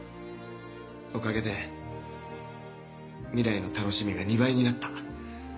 おかげで未来の楽しみが２倍になった。